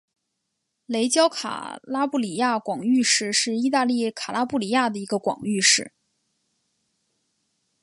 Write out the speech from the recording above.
雷焦卡拉布里亚广域市是意大利卡拉布里亚的一个广域市。